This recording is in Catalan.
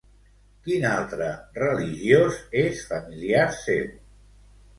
Quin altre religiós és familiar seu?